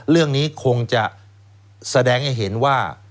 เรื่องนี้คงจะแสดงให้เห็นว่า